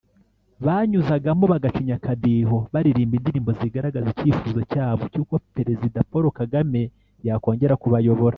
banyuzagamo bagacinya akadiho baririmba indirimbo zigaragaza icyifuzo cyabo cy’uko Perezida Paul Kagame yakongera kubayobora